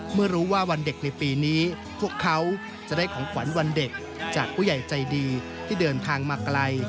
เมื่อรู้ว่าวันเด็กในปีนี้พวกเขาจะได้ของขวัญวันเด็กจากผู้ใหญ่ใจดีที่เดินทางมาไกล